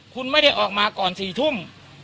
คุณไม่ได้ออกมาก่อน๔ทุ่ม